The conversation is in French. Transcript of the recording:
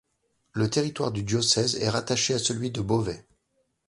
Le territoire du diocèse est rattaché à celui de Beauvais.